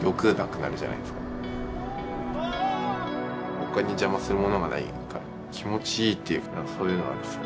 他に邪魔するものがないから気持ちいいっていうかそういうのがあるっすね。